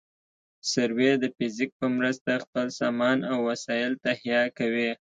سروې د فزیک په مرسته خپل سامان او وسایل تهیه کوي